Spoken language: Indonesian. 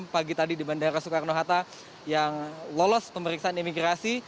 pertama di bandara soekarno hatta yang lolos pemeriksaan imigrasi